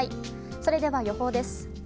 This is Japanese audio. それでは、予報です。